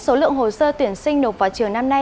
số lượng hồ sơ tuyển sinh nộp vào chiều năm nay